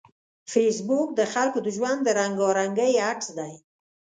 فېسبوک د خلکو د ژوند د رنګارنګۍ عکس دی